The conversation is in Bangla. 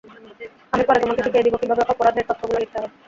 আমি পরে তোমাকে শিখিয়ে দিবো কিভাবে অপরাধের তথ্য গুলো লিখতে হয়।